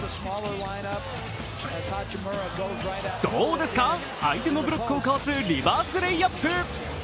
どうですか、相手のブロックをかわすリバースレイアップ。